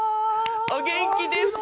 お元気ですか？